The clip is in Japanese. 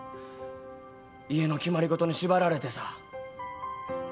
家の決まり事に縛られてさ。